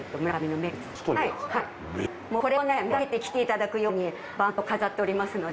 目がけて来ていただくようにバンと飾っておりますので。